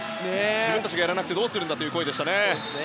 自分たちがやらなくてどうするんだという声でしたね。